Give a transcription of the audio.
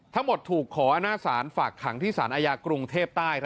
ทั้งหมดถูกขอหน้าศาลฝากขังที่ศาลอายกรุงเทพใต้